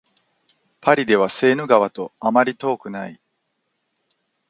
パリではセーヌ川とあまり遠くない